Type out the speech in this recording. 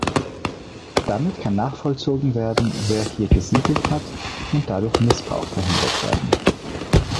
Damit kann nachvollzogen werden, wer hier gesiegelt hat, und dadurch Missbrauch verhindert werden.